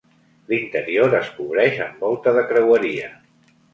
L'interior es cobreix amb volta de creueria.